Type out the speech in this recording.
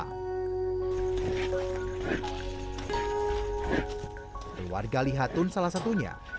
keluarga lihatun salah satunya